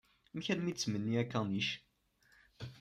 Amek armi i d-tettmenni akanic?